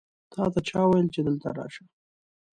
تاته چا وویل چې دلته راشه؟